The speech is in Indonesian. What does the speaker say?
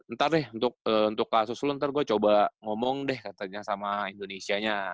ntar deh untuk kasus lu ntar gua coba ngomong deh katanya sama indonesianya